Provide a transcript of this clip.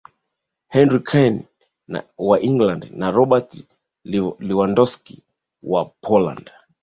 Harry Kane wa England na Robert Lewandowski wa Poland